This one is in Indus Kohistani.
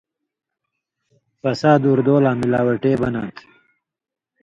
فساد اردو لا مِلاوٹے بناں تھہ